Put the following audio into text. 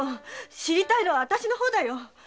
知りたいのはあたしの方だよ！